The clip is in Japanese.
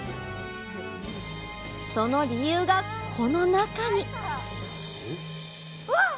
その理由がこの中にうわっ！